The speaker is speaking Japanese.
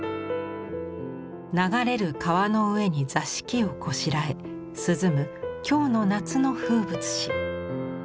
流れる川の上に座敷をこしらえ涼む京の夏の風物詩。